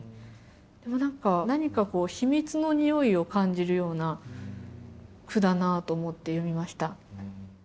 でも何か何か秘密のにおいを感じるような句だなと思って読みました。